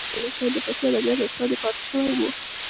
استاد یې باله شاید د فارسي ادبیاتو استاد یې پاته شوی و